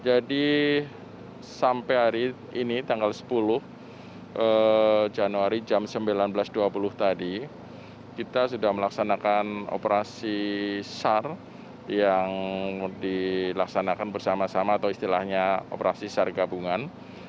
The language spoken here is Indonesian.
jadi sampai hari ini tanggal sepuluh januari jam sembilan belas dua puluh tadi kita sudah melaksanakan operasi sar yang dilaksanakan bersama sama atau istilahnya operasi sar gabungan